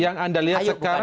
yang anda lihat sekarang